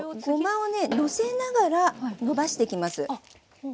ごまをねのせながらのばしていきます。